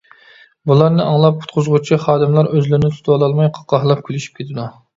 بۇلارنى ئاڭلاپ قۇتقۇزغۇچى خادىملار ئۆزلىرىنى تۇتۇۋالالماي قاقاھلاپ كۈلۈشۈپ كېتىدۇ.